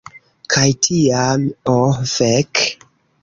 Kaj tiam... Oh fek!